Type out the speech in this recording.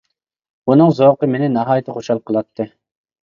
ئۇنىڭ زوقى مېنى ناھايىتى خۇشال قىلاتتى.